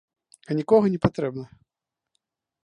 А нікога не патрэбна.